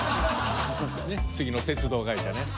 次の鉄道会社ね。